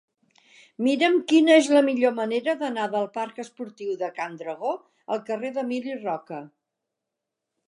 Mira'm quina és la millor manera d'anar del parc Esportiu de Can Dragó al carrer d'Emili Roca.